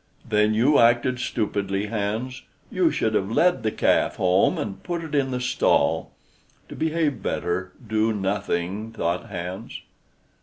"Then you acted stupidly, Hans; you should have led the calf home, and put it in the stall." "To behave better, do nothing," thought Hans.